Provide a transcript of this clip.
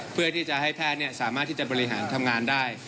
เพื่อที่จะให้แพทย์สามารถที่จะบริหารทำงานได้